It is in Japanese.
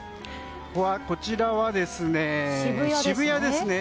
こちらは渋谷ですね。